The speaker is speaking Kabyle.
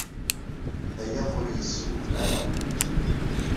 Aya ur iyi-yessewhem ara.